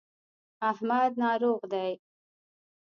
احمد ناروغ دی.